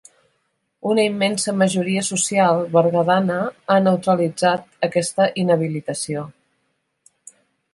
Una immensa majoria social berguedana ha neutralitzat aquesta inhabilitació.